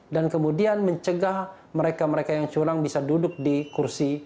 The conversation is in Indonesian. dan kemudian mencegah mereka mereka yang curang bisa duduk di kursi